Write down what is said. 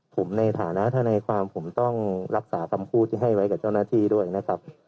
ผมในฐานะทนายความผมต้องรักษาคำพูดที่ให้ไว้กับเจ้าหน้าที่ด้วยนะครับ